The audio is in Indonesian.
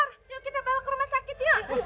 yuk kita bawa ke rumah sakit yuk